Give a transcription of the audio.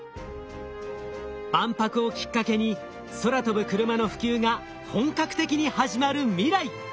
万博をきっかけに空飛ぶクルマの普及が本格的に始まる未来。